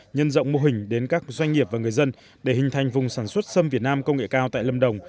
nhân rộng mô hình đến các doanh nghiệp và người dân để hình thành vùng sản xuất xâm việt nam công nghệ cao tại lâm đồng